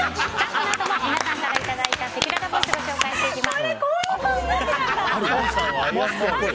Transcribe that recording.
このあとは皆さんからいただいたせきららボイスご紹介します。